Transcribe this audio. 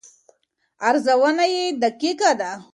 ارزونه یې دقیقه ده.